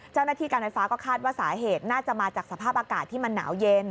เจ้าหน้าที่การไฟฟ้าก็คาดว่าสาเหตุน่าจะมาจากสภาพอากาศที่มันหนาวเย็น